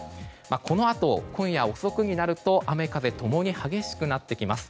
このあと、今夜遅くになると雨風共に激しくなってきます。